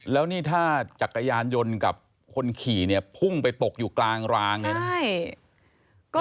แล้วนี่ถ้าจักรยานยนต์กับคนขี่เนี่ยพุ่งไปตกอยู่กลางรางเนี่ยนะ